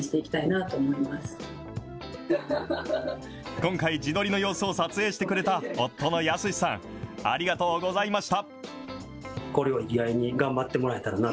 今回、自撮りの様子を撮影してくれた夫の康志さん、ありがとうございました。